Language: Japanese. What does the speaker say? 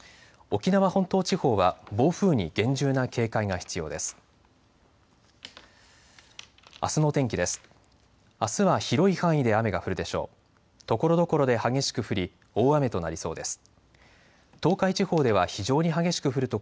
沖縄本島地方は暴風に厳重な警戒が必要です。